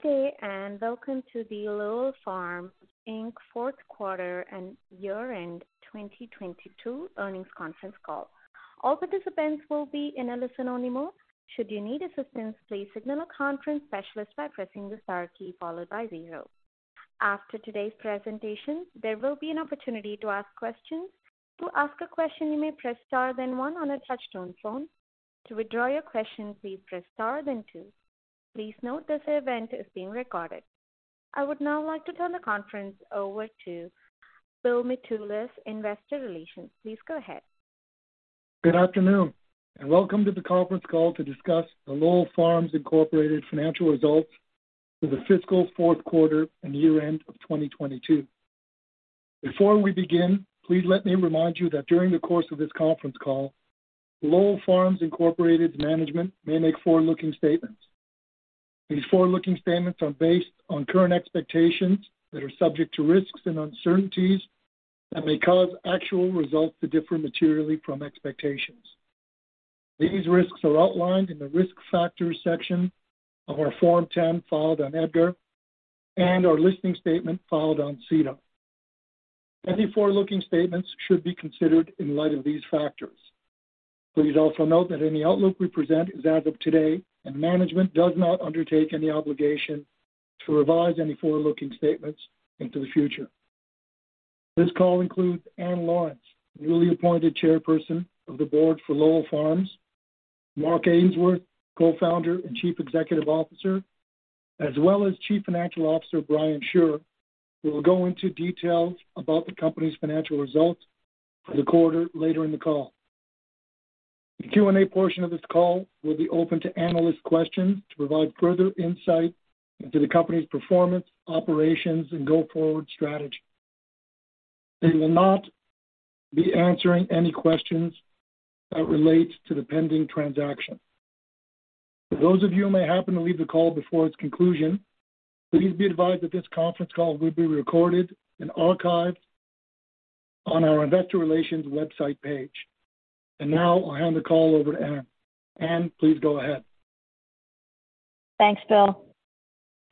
Good day. Welcome to the Lowell Farms Inc. fourth quarter and year-end 2022 earnings conference call. All participants will be in a listen-only mode. Should you need assistance, please signal a conference specialist by pressing the star key followed by zero. After today's presentation, there will be an opportunity to ask questions. To ask a question, you may press star then one on a touch-tone phone. To withdraw your question, please press star then two. Please note this event is being recorded. I would now like to turn the conference over to Bill Mitoulas, Investor Relations. Please go ahead. Good afternoon, and welcome to the conference call to discuss the Lowell Farms Incorporated financial results for the fiscal fourth quarter and year-end of 2022. Before we begin, please let me remind you that during the course of this conference call, Lowell Farms Incorporated's management may make forward-looking statements. These forward-looking statements are based on current expectations that are subject to risks and uncertainties that may cause actual results to differ materially from expectations. These risks are outlined in the Risk Factors section of our Form-10 filed on EDGAR and our listing statement filed on SEDAR. Any forward-looking statements should be considered in light of these factors. Please also note that any outlook we present is as of today. Management does not undertake any obligation to revise any forward-looking statements into the future. This call includes Ann Lawrence, newly appointed Chairperson of the Board for Lowell Farms, Mark Ainsworth, Co-Founder and Chief Executive Officer, as well as Chief Financial Officer Brian Shure, who will go into details about the company's financial results for the quarter later in the call. The Q&A portion of this call will be open to analyst questions to provide further insight into the company's performance, operations, and go-forward strategy. They will not be answering any questions that relate to the pending transaction. For those of you who may happen to leave the call before its conclusion, please be advised that this conference call will be recorded and archived on our Investor Relations website page. Now I'll hand the call over to Ann. Ann, please go ahead. Thanks, Bill,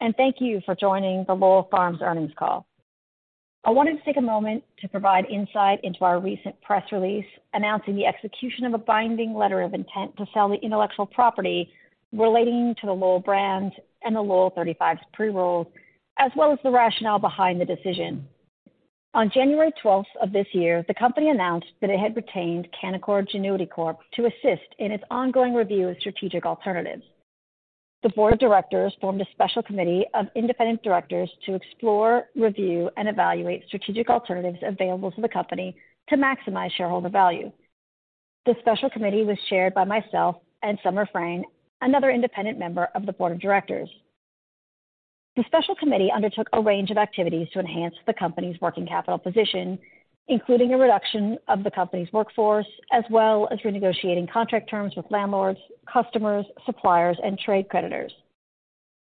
and thank you for joining the Lowell Farms earnings call. I wanted to take a moment to provide insight into our recent press release announcing the execution of a binding letter of intent to sell the intellectual property relating to the Lowell brand and the Lowell 35's pre-rolls, as well as the rationale behind the decision. On January 12th of this year, the company announced that it had retained Canaccord Genuity Corp. to assist in its ongoing review of strategic alternatives. The Board of Directors formed a special committee of independent directors to explore, review, and evaluate strategic alternatives available to the company to maximize shareholder value. The special committee was chaired by myself and Summer Frein, another independent member of the Board of Directors. The special committee undertook a range of activities to enhance the company's working capital position, including a reduction of the company's workforce, as well as renegotiating contract terms with landlords, customers, suppliers, and trade creditors.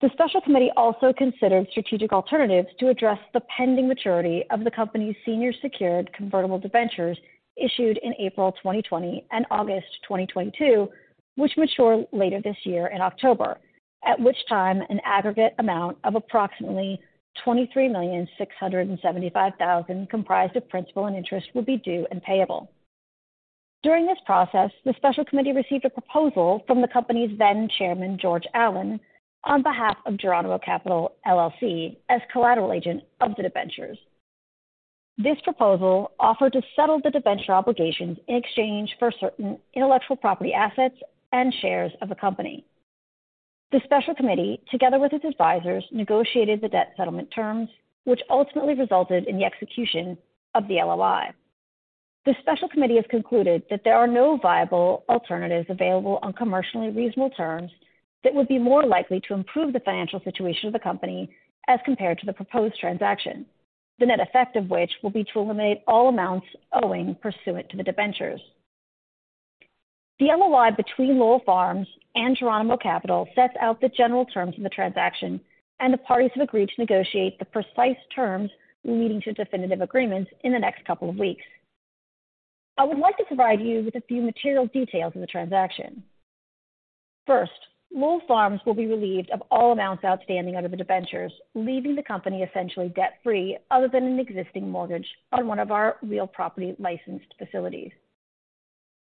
The special committee also considered strategic alternatives to address the pending maturity of the company's senior secured convertible debentures issued in April 2020 and August 2022, which mature later this year in October, at which time an aggregate amount of approximately $23,675,000 comprised of principal and interest will be due and payable. During this process, the special committee received a proposal from the company's then Chairman, George Allen, on behalf of Geronimo Capital LLC as collateral agent of the debentures. This proposal offered to settle the debenture obligations in exchange for certain intellectual property assets and shares of the company. The special committee, together with its advisors, negotiated the debt settlement terms, which ultimately resulted in the execution of the LOI. The special committee has concluded that there are no viable alternatives available on commercially reasonable terms that would be more likely to improve the financial situation of the company as compared to the proposed transaction, the net effect of which will be to eliminate all amounts owing pursuant to the debentures. The LOI between Lowell Farms and Geronimo Capital sets out the general terms of the transaction, and the parties have agreed to negotiate the precise terms leading to definitive agreements in the next couple of weeks. I would like to provide you with a few material details of the transaction. First, Lowell Farms will be relieved of all amounts outstanding under the debentures, leaving the company essentially debt-free other than an existing mortgage on one of our real property licensed facilities.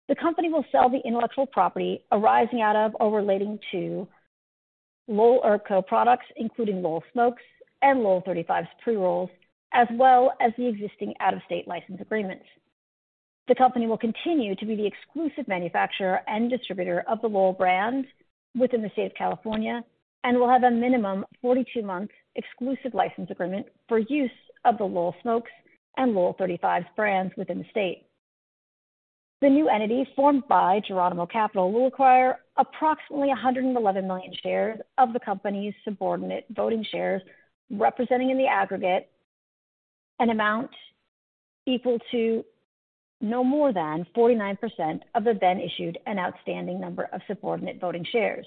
The company will sell the intellectual property arising out of or relating to Lowell Herb Co. products, including Lowell Smokes and Lowell 35's pre-rolls, as well as the existing out-of-state license agreements. The company will continue to be the exclusive manufacturer and distributor of the Lowell brand within the state of California and will have a minimum 42-month exclusive license agreement for use of the Lowell Smokes and Lowell 35's brands within the state. The new entity formed by Geronimo Capital will acquire approximately 111 million shares of the company's subordinate voting shares, representing in the aggregate an amount equal to no more than 49% of the then issued and outstanding number of subordinate voting shares.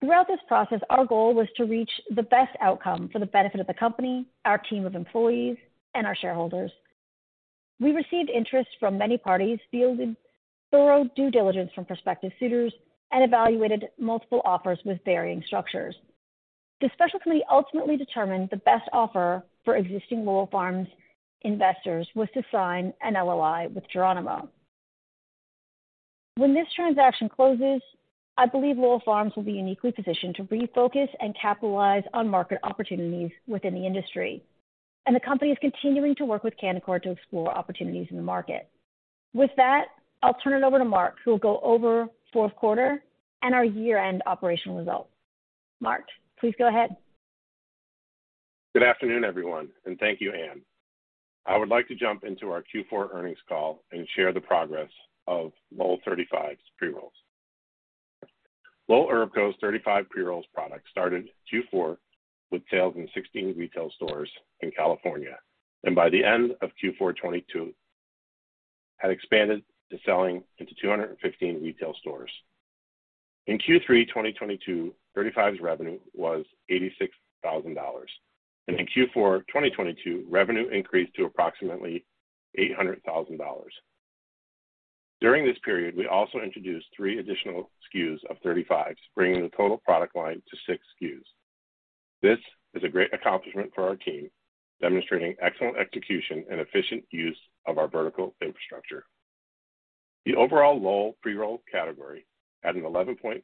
Throughout this process, our goal was to reach the best outcome for the benefit of the company, our team of employees, and our shareholders. We received interest from many parties, fielded thorough due diligence from prospective suitors, and evaluated multiple offers with varying structures. The special committee ultimately determined the best offer for existing Lowell Farms investors was to sign an LOI with Geronimo. When this transaction closes, I believe Lowell Farms will be uniquely positioned to refocus and capitalize on market opportunities within the industry. The company is continuing to work with Canaccord to explore opportunities in the market. With that, I'll turn it over to Mark, who will go over fourth quarter and our year-end operational results. Mark, please go ahead. Good afternoon, everyone. Thank you, Ann. I would like to jump into our Q4 earnings call and share the progress of Lowell 35's pre-rolls. Lowell Herb Co.'s 35 pre-rolls product started Q4 with sales in 16 retail stores in California, and by the end of Q4 2022 had expanded to selling into 215 retail stores. In Q3 2022, 35's revenue was $86,000, and in Q4 2022, revenue increased to approximately $800,000. During this period, we also introduced three additional SKUs of 35's, bringing the total product line to six SKUs. This is a great accomplishment for our team, demonstrating excellent execution and efficient use of our vertical infrastructure. The overall Lowell pre-roll category had an 11.4%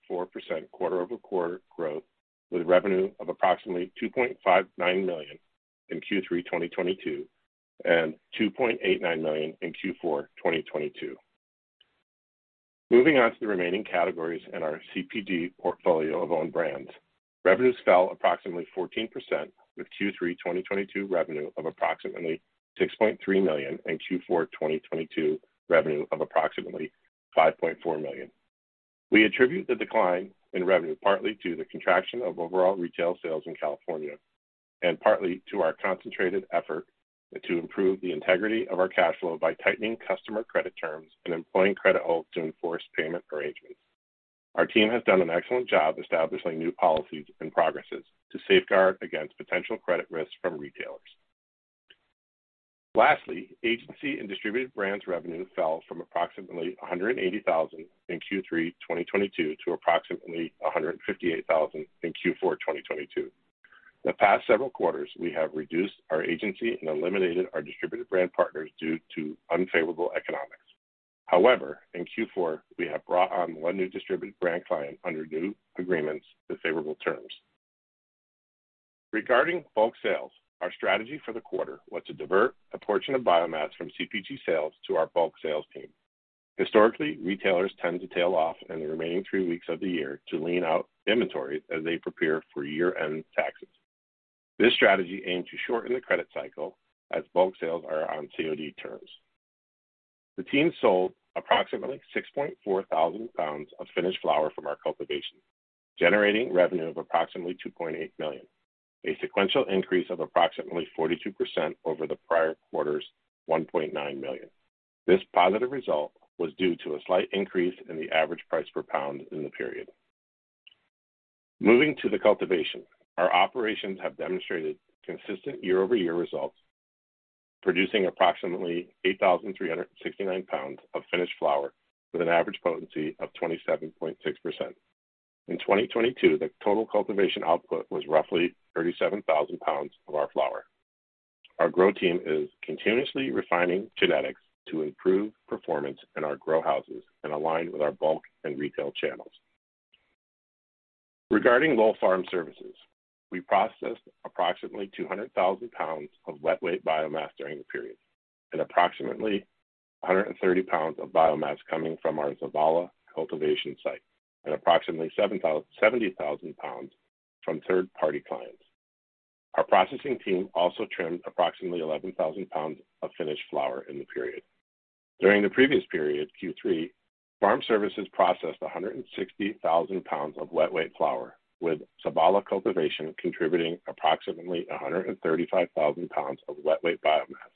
quarter-over-quarter growth, with revenue of approximately $2.59 million in Q3 2022 and $2.89 million in Q4 2022. Moving on to the remaining categories in our CPG portfolio of own brands. Revenues fell approximately 14% with Q3 2022 revenue of approximately $6.3 million and Q4 2022 revenue of approximately $5.4 million. We attribute the decline in revenue partly to the contraction of overall retail sales in California and partly to our concentrated effort to improve the integrity of our cash flow by tightening customer credit terms and employing credit holds to enforce payment arrangements. Our team has done an excellent job establishing new policies and progresses to safeguard against potential credit risks from retailers. Agency and distributed brands revenue fell from approximately $180,000 in Q3 2022 to approximately $158,000 in Q4 2022. The past several quarters, we have reduced our agency and eliminated our distributed brand partners due to unfavorable economics. In Q4, we have brought on one new distributed brand client under new agreements with favorable terms. Regarding bulk sales, our strategy for the quarter was to divert a portion of biomass from CPG sales to our bulk sales team. Historically, retailers tend to tail off in the remaining three weeks of the year to lean out inventory as they prepare for year-end taxes. This strategy aimed to shorten the credit cycle as bulk sales are on COD terms. The team sold approximately 6,400 lbs of finished flower from our cultivation, generating revenue of approximately $2.8 million, a sequential increase of approximately 42% over the prior quarter's $1.9 million. This positive result was due to a slight increase in the average price per pound in the period. Moving to the cultivation. Our operations have demonstrated consistent year-over-year results, producing approximately 8,369 lbs of finished flower with an average potency of 27.6%. In 2022, the total cultivation output was roughly 37,000 lbs of our flower. Our grow team is continuously refining genetics to improve performance in our grow houses and align with our bulk and retail channels. Regarding Lowell Farm Services, we processed approximately 200,000 lbs of wet weight biomass during the period, and approximately 130 lbs of biomass coming from our Zavala cultivation site, and approximately 70,000 lbs from third-party clients. Our processing team also trimmed approximately 11,000 lbs of finished flower in the period. During the previous period, Q3, farm services processed 160,000 lbs of wet weight flower, with Zavala cultivation contributing approximately 135,000 lbs of wet weight biomass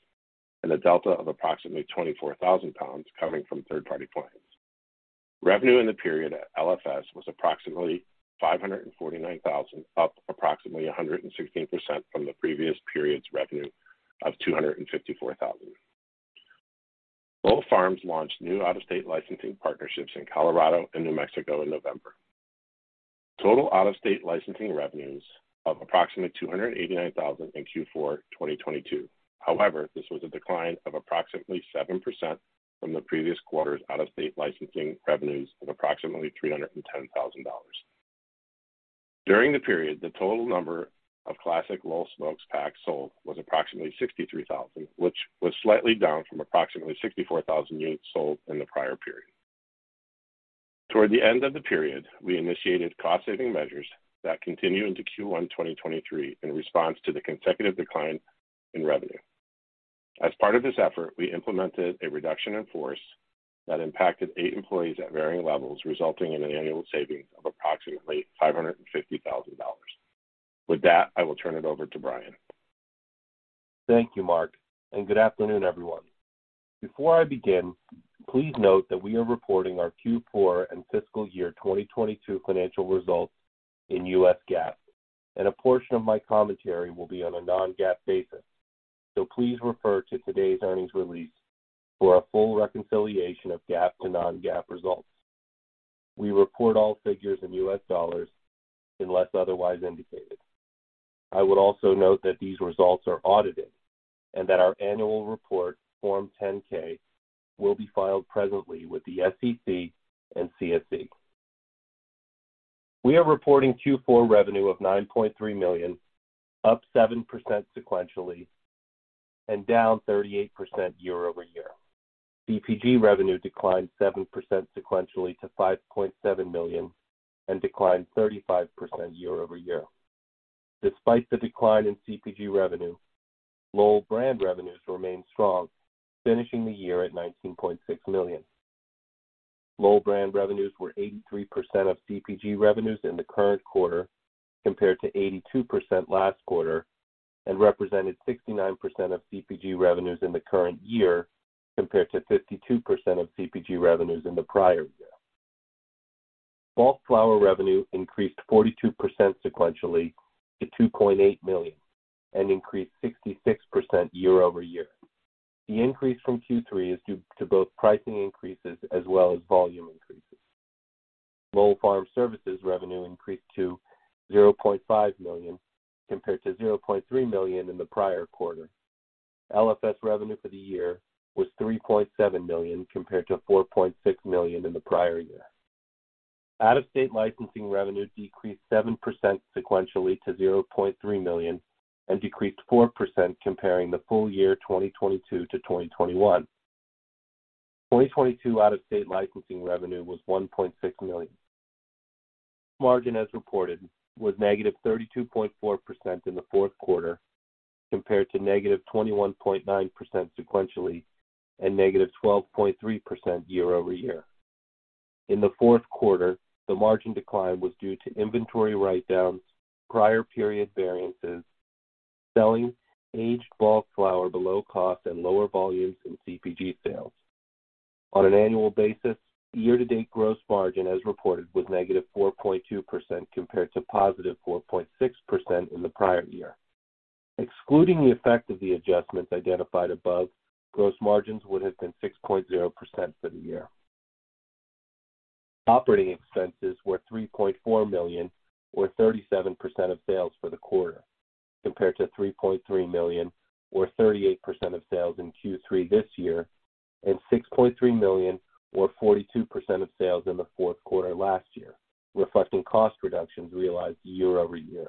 and a delta of approximately 24,000 lbs coming from third-party clients. Revenue in the period at LFS was approximately $549,000, up approximately 116% from the previous period's revenue of $254,000. Lowell Farms launched new out-of-state licensing partnerships in Colorado and New Mexico in November. Total out-of-state licensing revenues of approximately $289,000 in Q4 2022. This was a decline of approximately 7% from the previous quarter's out-of-state licensing revenues of approximately $310,000. During the period, the total number of classic Lowell Smokes packs sold was approximately 63,000, which was slightly down from approximately 64,000 units sold in the prior period. Toward the end of the period, we initiated cost-saving measures that continue into Q1 2023 in response to the consecutive decline in revenue. As part of this effort, we implemented a reduction in force that impacted eight employees at varying levels, resulting in an annual savings of approximately $550,000. I will turn it over to Brian. Thank you, Mark, and good afternoon, everyone. Before I begin, please note that we are reporting our Q4 and fiscal year 2022 financial results in U.S. GAAP. A portion of my commentary will be on a non-GAAP basis. Please refer to today's earnings release for a full reconciliation of GAAP to non-GAAP results. We report all figures in U.S. dollars unless otherwise indicated. I would also note that these results are audited and that our annual report, Form 10-K, will be filed presently with the SEC and CSE. We are reporting Q4 revenue of $9.3 million, up 7% sequentially and down 38% year-over-year. CPG revenue declined 7% sequentially to $5.7 million and declined 35% year-over-year. Despite the decline in CPG revenue, Lowell brand revenues remained strong, finishing the year at $19.6 million. Lowell brand revenues were 83% of CPG revenues in the current quarter, compared to 82% last quarter, and represented 69% of CPG revenues in the current year, compared to 52% of CPG revenues in the prior year. Bulk flower revenue increased 42% sequentially to $2.8 million and increased 66% year-over-year. The increase from Q3 is due to both pricing increases as well as volume increases. Lowell Farm Services revenue increased to $0.5 million, compared to $0.3 million in the prior quarter. LFS revenue for the year was $3.7 million, compared to $4.6 million in the prior year. Out-of-state licensing revenue decreased 7% sequentially to $0.3 million, and decreased 4% comparing the full-year 2022 to 2021. 2022 out-of-state licensing revenue was $1.6 million. Margin as reported was negative 32.4% in the fourth quarter, compared to negative 21.9% sequentially and negative 12.3% year-over-year. In the fourth quarter, the margin decline was due to inventory write-downs, prior period variances, selling aged bulk flower below cost and lower volumes in CPG sales. On an annual basis, year-to-date gross margin as reported was negative 4.2%, compared to positive 4.6% in the prior year. Excluding the effect of the adjustments identified above, gross margins would have been 6.0% for the year. Operating expenses were $3.4 million or 37% of sales for the quarter, compared to $3.3 million or 38% of sales in Q3 this year, and $6.3 million or 42% of sales in the fourth quarter last year, reflecting cost reductions realized year-over-year.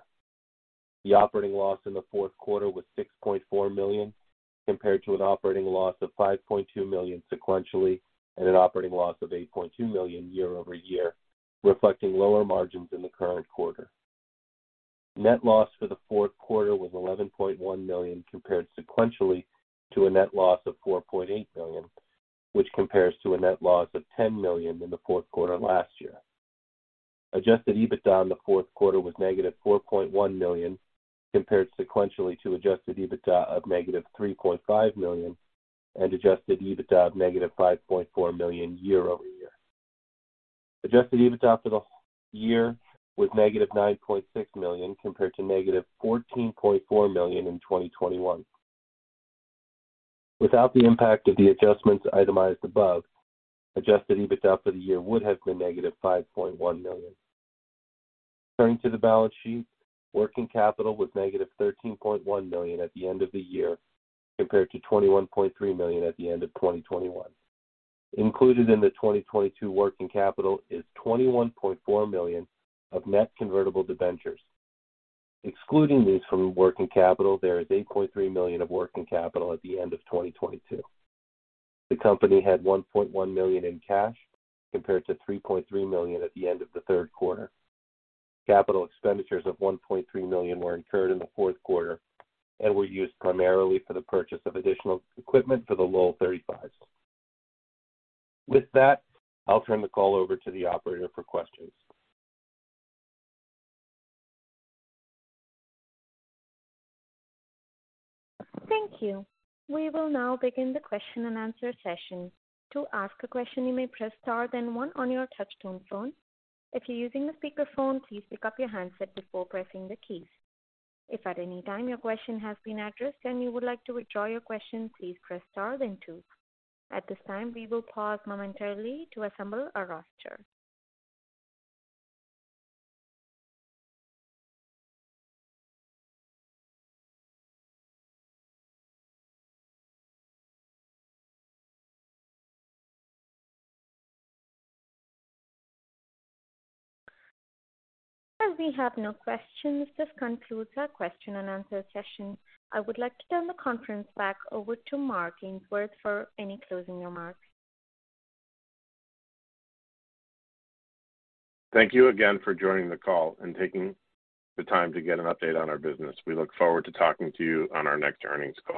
The operating loss in the fourth quarter was $6.4 million, compared to an operating loss of $5.2 million sequentially and an operating loss of $8.2 million year-over-year, reflecting lower margins in the current quarter. Net loss for the fourth quarter was $11.1 million compared sequentially to a net loss of $4.8 million, which compares to a net loss of $10 million in the fourth quarter last year. Adjusted EBITDA in the fourth quarter was negative $4.1 million compared sequentially to adjusted EBITDA of negative $3.5 million and adjusted EBITDA of negative $5.4 million year-over-year. Adjusted EBITDA for the year was negative $9.6 million compared to negative $14.4 million in 2021. Without the impact of the adjustments itemized above, adjusted EBITDA for the year would have been negative $5.1 million. Turning to the balance sheet, working capital was negative $13.1 million at the end of the year compared to $21.3 million at the end of 2021. Included in the 2022 working capital is $21.4 million of net convertible debentures. Excluding these from working capital, there is $8.3 million of working capital at the end of 2022. The company had $1.1 million in cash compared to $3.3 million at the end of the third quarter. Capital expenditures of $1.3 million were incurred in the fourth quarter and were used primarily for the purchase of additional equipment for the Lowell 35's. With that, I'll turn the call over to the operator for questions. Thank you. We will now begin the question and answer session. To ask a question, you may press star then one on your touch-tone phone. If you're using a speaker phone, please pick up your handset before pressing the keys. If at any time your question has been addressed and you would like to withdraw your question, please press star then two. At this time, we will pause momentarily to assemble a roster. As we have no questions, this concludes our question and answer session. I would like to turn the conference back over to Mark Ainsworth for any closing remarks. Thank you again for joining the call and taking the time to get an update on our business. We look forward to talking to you on our next earnings call.